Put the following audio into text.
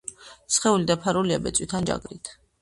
სხეული დაფარულია ბეწვით ან ჯაგრით.